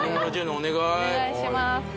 お願いします